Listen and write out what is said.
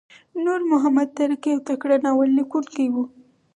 نورمحمد ترهکی یو تکړه ناوللیکونکی وو.